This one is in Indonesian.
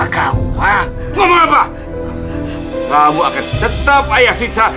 kamu akan tetap ayah sisa